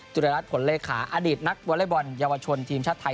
รัฐผลเลขาอดีตนักวอเล็กบอลเยาวชนทีมชาติไทย